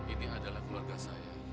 ini adalah keluarga saya